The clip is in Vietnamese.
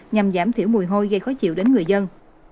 nhằm giảm thiểu mùi hôi gây khó chịu đến người dân